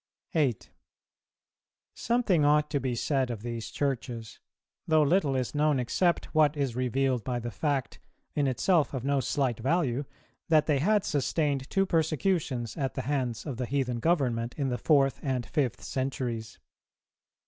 8. Something ought to be said of these Churches; though little is known except what is revealed by the fact, in itself of no slight value, that they had sustained two persecutions at the hands of the heathen government in the fourth and fifth centuries.